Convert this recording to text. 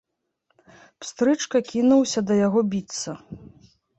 Пстрычка кінуўся да яго біцца.